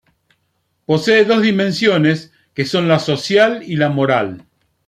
Posee dos dimensiones, que son la social y la moral.